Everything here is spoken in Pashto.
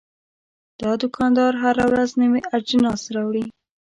دا دوکاندار هره ورځ نوي اجناس راوړي.